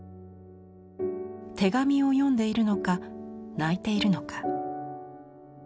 手紙を読んでいるのか泣いているのか。